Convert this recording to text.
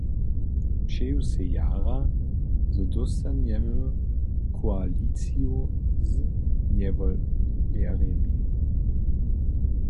Přeju sej jara, zo dóstanjemy koaliciju z njewolerjemi.